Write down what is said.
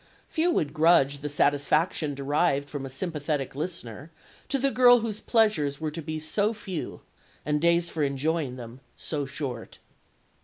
Few would grudge the satisfaction derived from a sympathetic listener to the girl whose pleasures were to be so few and days for enjoying them so short.